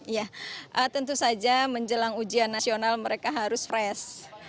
ya tentu saja menjelang ujian nasional mereka harus fresh